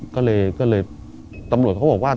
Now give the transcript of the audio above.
ก็เลยก็เลยตำรวจเค้าบอกว่า